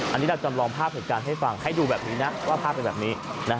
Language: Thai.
อันนี้เราจำลองภาพเหตุการณ์ให้ฟังให้ดูแบบนี้นะว่าภาพเป็นแบบนี้